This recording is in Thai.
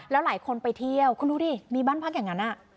แล้วหลายคนไปเที่ยวคุณดูดิมีบ้านพักอย่างนั้น